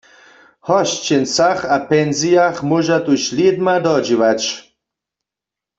W hosćencach a pensijach móža tuž lědma dodźěłać.